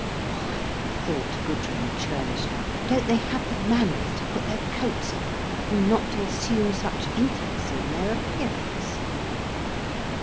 "Why," thought Gudrun churlishly, "don't they have the manners to put their coats on, and not to assume such intimacy in their appearance."